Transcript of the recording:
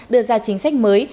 đưa ra chính sách mới